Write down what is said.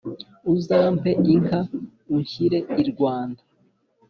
Uzampe inka unshyire i Rwanda,